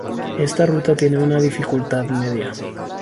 Esta ruta tiene una dificultad media.